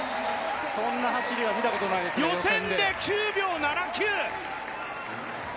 そんな走りは見たことないです予選で９秒７９！